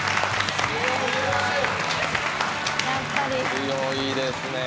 強いですねぇ。